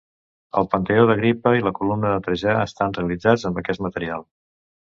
El Panteó d'Agripa i la Columna de Trajà estan realitzats amb aquest material.